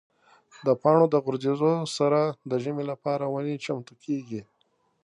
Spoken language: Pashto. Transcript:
د پاڼو د غورځېدو سره د ژمي لپاره ونې چمتو کېږي.